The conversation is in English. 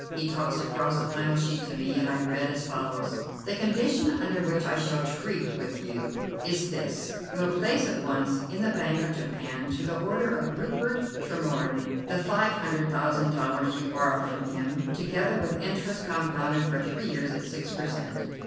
He tossed across the final sheet to me, and I read as follows: "The condition under which I shall treat with you is this: You will place at once in the Bank of Japan, to the order of Rupert Tremorne, the five hundred thousand dollars you borrowed from him, together with interest compounded for three years at six per cent.